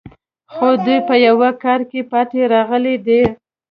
خو دوی په یوه کار کې پاتې راغلي دي